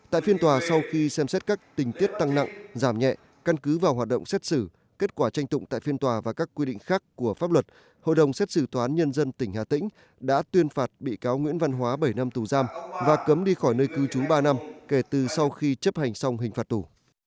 tại phiên tòa sau khi xem xét các tình tiết tăng nặng giảm nhẹ căn cứ vào hoạt động xét xử kết quả tranh tụng tại phiên tòa và các quy định khác của pháp luật hội đồng xét xử tòa án nhân dân tỉnh hà tĩnh đã tuyên phạt bị cáo nguyễn văn hóa bảy năm tù giam và cấm đi khỏi nơi cư trú ba năm kể từ sau khi chấp hành xong hình phạt tù